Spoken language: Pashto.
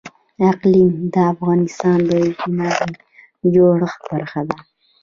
اقلیم د افغانستان د اجتماعي جوړښت برخه ده.